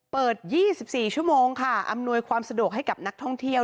เปิด๒๔ชั่วโมงค่ะอำนวยความสะดวกให้กับนักท่องเที่ยว